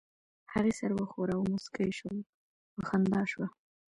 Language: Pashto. هغې سر وښوراوه او موسکۍ شول، په خندا شوه.